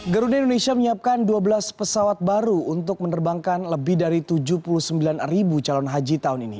garuda indonesia menyiapkan dua belas pesawat baru untuk menerbangkan lebih dari tujuh puluh sembilan calon haji tahun ini